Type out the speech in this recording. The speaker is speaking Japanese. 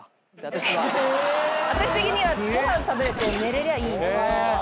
私的にはご飯食べれて寝れりゃいい。